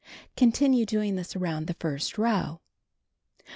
Continue doing this around the first row.